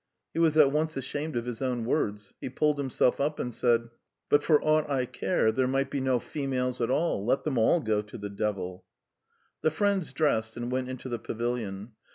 He was at once ashamed of his own words; he pulled himself up and said: "But for aught I care, there might be no females at all. Let them all go to the devil!" The friends dressed and went into the pavilion.